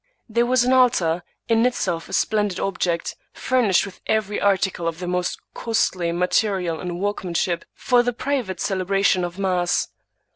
There was an altar, in itself a splendid object, fur nished with every article of the most costly material and workmanship, for the private celebration of mass.